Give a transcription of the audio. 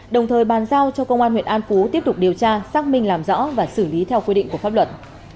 đồng thời bàn giao cho công an huyện an phú tiếp tục điều tra xác minh làm rõ và xử lý theo quy định của pháp luật